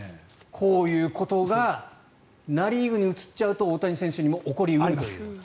こういうことがナ・リーグに移っちゃうと大谷選手にも起こり得ると。